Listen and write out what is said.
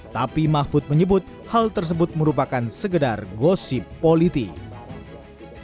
tapi mahfud menyebut hal tersebut merupakan segedar gosip politik